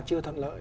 chưa thận lợi